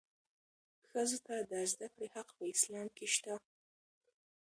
ښځو ته د زدهکړې حق په اسلام کې شته.